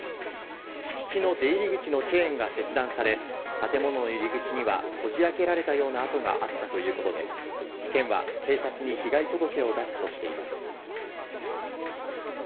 敷地の出入り口のチェーンが切断され建物の入り口にはこじ開けられたような跡があったということで県は警察に被害届を出すとしています。